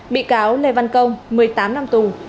bị cáo lê văn công một mươi tám năm tù